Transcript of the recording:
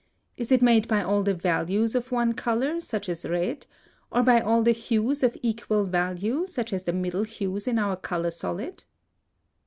Is it made by all the values of one color, such as red, or by all the hues of equal value, such as the middle hues in our color solid?